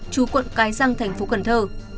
chú quận cái giang tp cần thơ